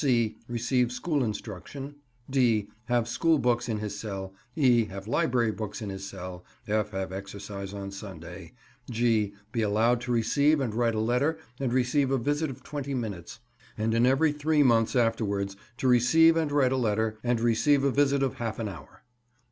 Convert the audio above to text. (c) Receive school instruction. (d) Have school books in his cell. (e) Have library books in his cell. (f) Have exercise on Sunday. (g) Be allowed to receive and write a letter and receive a visit of twenty minutes; and in every three months afterwards to receive and write a letter, and receive a visit of half an hour.